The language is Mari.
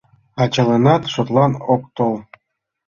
Ачаланат шотлан ок тол.